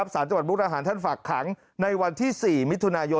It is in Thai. สจมุกระหารท่านฝากขังในวันที่๔มิย